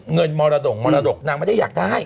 มรดกมรดกนางไม่ได้อยากได้